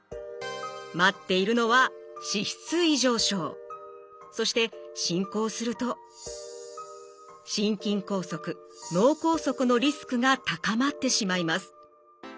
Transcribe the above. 待っているのはそして進行すると心筋梗塞脳梗塞のリスクが高まってしまいます。